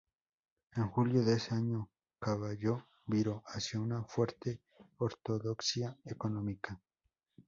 En julio de ese año, Cavallo viró hacia una fuerte ortodoxia económica.